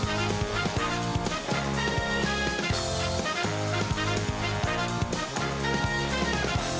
โปรดติดตามตอนต่อไป